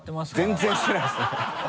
全然してないですね。